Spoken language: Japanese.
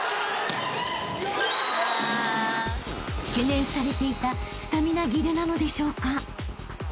［懸念されていたスタミナ切れなのでしょうか？］